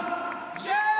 イエーイ！